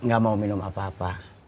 gak mau minum apa apa